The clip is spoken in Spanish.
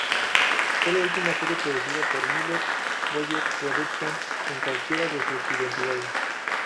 Fue la última serie producida por Miller-Boyett Productions en cualquiera de sus identidades.